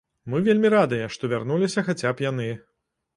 Мы вельмі радыя, што вярнуліся хаця б яны.